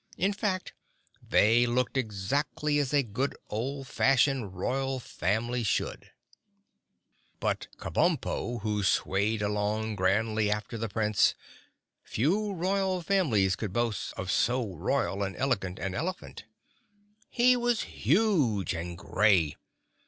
In fact, they looked exactly as a good old fashioned royal family should. [Illustration: Pumperdink] But Kabumpo, who swayed along grandly after the Prince—few royal families could boast of so royal and elegant an elephant! He was huge and gray.